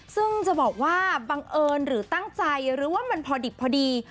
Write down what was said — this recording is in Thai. ซึ่งจะบอกว่าบังเอิญหรือตั้งใจหรือว่ามันพอดิบพอดี